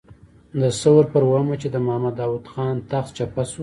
د ثور پر اوومه چې د محمد داود خان تخت چپه شو.